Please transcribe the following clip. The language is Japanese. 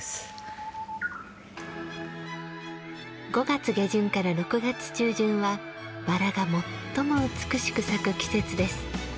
５月下旬から６月中旬はバラが最も美しく咲く季節です。